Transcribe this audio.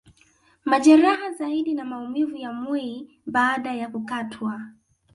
Majeraha zaidi na maumivu ya mwii baada ya kukatwa